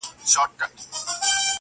په اووه زورورو ورځو کي کيسه ده